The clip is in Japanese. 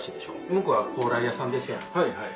向こうは高麗屋さんですやん。